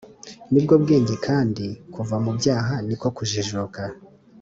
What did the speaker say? nibwo bwenge Kandi kuva mu byaha ni ko kujijuka